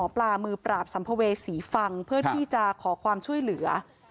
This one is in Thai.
สัมภเวษศรีฟังเพื่อที่จะขอความช่วยเหลือ